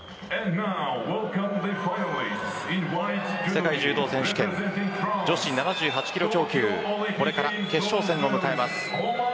世界柔道選手権女子７８キロ超級、これから決勝戦を迎えます。